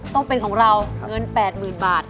ต้องเป็นของเราเงิน๘๐๐๐บาท